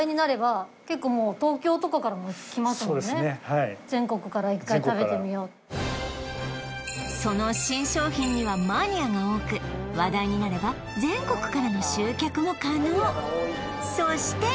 はい全国から１回食べてみようってその新商品にはマニアが多く話題になれば全国からの集客も可能そして！